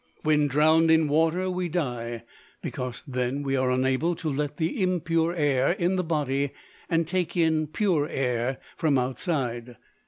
When drowned in water we die, because, then we are unable to let out the impure air in the body and take in pure air from outside.